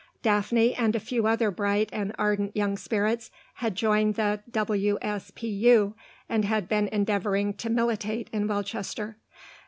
Daphne, and a few other bright and ardent young spirits, had joined the W.S.P.U., and had been endeavouring to militate in Welchester.